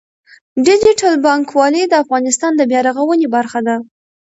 ډیجیټل بانکوالي د افغانستان د بیا رغونې برخه ده.